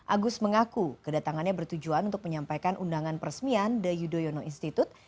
agus mengaku kedatangannya bertujuan untuk menyampaikan undangan peresmian the yudhoyono institute